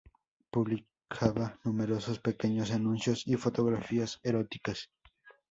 Publicaba numerosos pequeños anuncios y fotografías eróticas.